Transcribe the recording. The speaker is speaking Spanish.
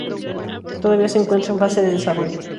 Todavía se encuentra en fase de desarrollo.